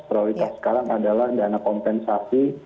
prioritas sekarang adalah dana kompensasi